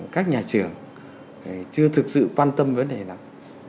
các nhà trưởng chưa thực sự quan tâm vấn đề nào